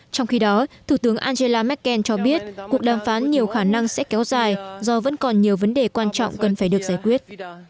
trong khi đó thủ tướng angela merkel cho biết cuộc đàm phán nhiều khả năng sẽ kéo dài do vẫn còn nhiều vấn đề quan trọng cần phải được giải quyết